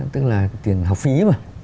tức là tiền học phí mà